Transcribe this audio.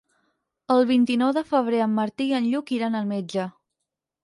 El vint-i-nou de febrer en Martí i en Lluc iran al metge.